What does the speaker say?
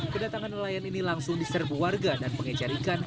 kedatangan nelayan ini langsung diserbu warga dan pengejar ikan